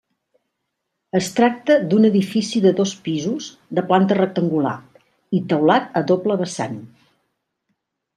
Es tracta d'un edifici de dos pisos de planta rectangular i teulat a doble vessant.